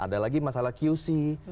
ada lagi masalah qc